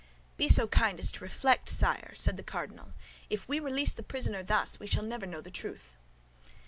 "Be so kind as to reflect, sire," said the cardinal. "If we release the prisoner thus, we shall never know the truth."